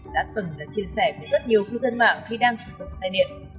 đã từng là chia sẻ với rất nhiều cư dân mạng khi đang sử dụng xe điện